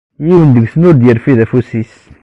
Yiwen deg-sen ur d-irfid afus-is.